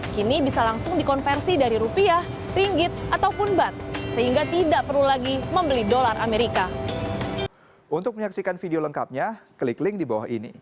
kini bisa langsung dikonversi dari rupiah ringgit ataupun bat sehingga tidak perlu lagi membeli dolar amerika